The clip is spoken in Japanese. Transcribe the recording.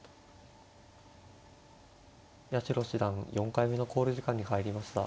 八代七段４回目の考慮時間に入りました。